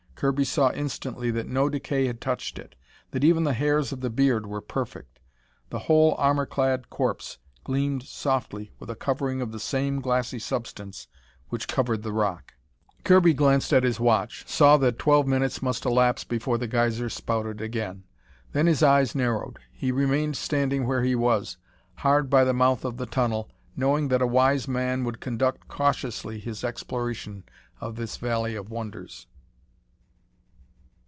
Kirby saw instantly that no decay had touched it, that even the hairs of the beard were perfect. The whole armor clad corpse gleamed softly with a covering of the same glassy substance which covered the rock. Kirby glanced at his watch, saw that twelve minutes must elapse before the geyser spouted again. Then his eyes narrowed. He remained standing where he was, hard by the mouth of the tunnel, knowing that a wise man would conduct cautiously his exploration of this valley of wonders.